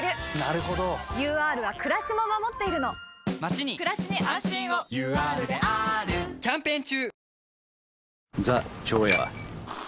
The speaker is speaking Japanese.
ＵＲはくらしも守っているのまちにくらしに安心をＵＲであーるキャンペーン中！